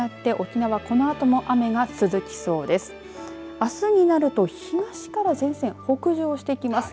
あすになると東から前線、北上してきます。